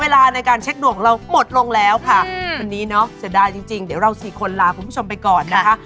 ได้จริงเดี๋ยวเราสี่คนลาคุณผู้ชมไปก่อนนะคะ